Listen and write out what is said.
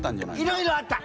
いろいろあった。